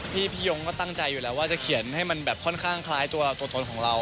พี่ยงก็ตั้งใจอยู่แล้วว่าจะเขียนให้มันแบบค่อนข้างคล้ายตัวตนของเรา